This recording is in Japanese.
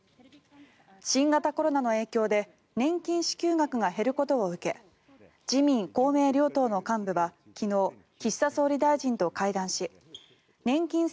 新型コロナの影響で年金支給額が減ることを受け自民・公明両党の幹部は昨日岸田総理大臣と会談し年金